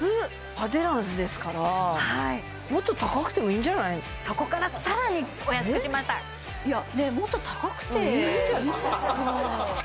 アデランスですからもっと高くてもいいんじゃないそこから更にお安くしましたいやねえもっと高くてうんうんいいんじゃない？